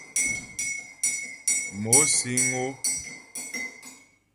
Mo síŋ ó.